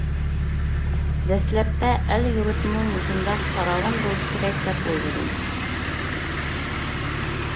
دەسلەپتە ئەل يۇرتمۇ مۇشۇنداق پاراۋان بولسا كېرەك دەپ ئويلىدىم.